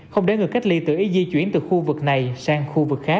không để người cách ly tự ý di chuyển từ khu vực này sang khu vực khác